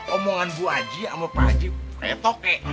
omongan bu haji sama pak haji kayak tokek